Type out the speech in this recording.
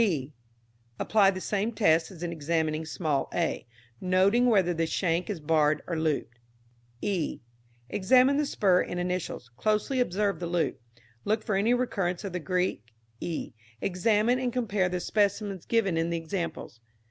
d. Apply the same tests as in examining small a, noting whether the shank is barred or looped. e. Examine the spur in initials; closely observe the loop. Look for any recurrence of the Greek ε. Examine and compare the specimens given in the examples.